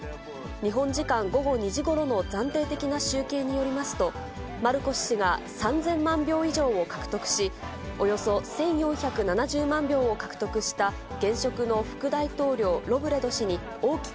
日本時間午後２時ごろの暫定的な集計によりますと、マルコス氏が３０００万票以上を獲得し、およそ１４７０万票を獲得した現職の副大統領、ロブレド氏に大き